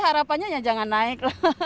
harapannya jangan naik